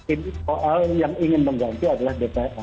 ini soal yang ingin mengganti adalah dpr